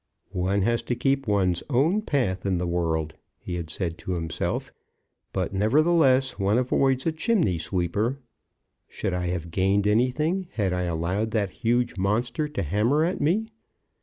"One has to keep one's own path in the world," he had said to himself; "but, nevertheless, one avoids a chimney sweeper. Should I have gained anything had I allowed that huge monster to hammer at me?"